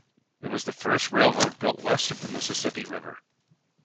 It was the first railroad built west of the Mississippi River.